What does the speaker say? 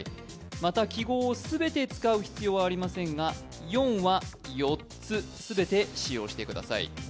また記号を全て使う必要はありませんが４は４つ全て使用してください。